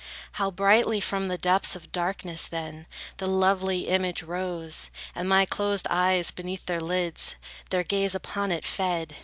How brightly from the depths of darkness, then, The lovely image rose, and my closed eyes, Beneath their lids, their gaze upon it fed!